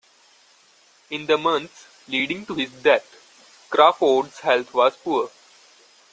In the months leading to his death, Crawford's health was poor.